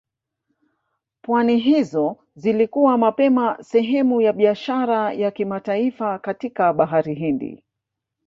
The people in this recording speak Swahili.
pwani hizo zilikuwa mapema sehemu ya biashara ya kimataifa katika Bahari Hindi